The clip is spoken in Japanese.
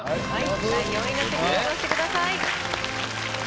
第４位の席移動してください。